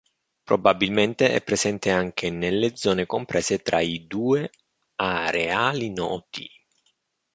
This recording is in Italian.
Probabilmente è presente anche nelle zone comprese tra i due areali noti.